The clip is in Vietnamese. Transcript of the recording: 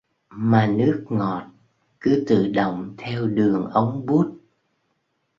Mà nước ngọt cứ tự động theo đường ống bút